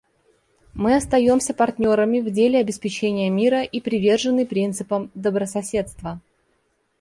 Мы остаемся партнерами в деле обеспечения мира и привержены принципам добрососедства.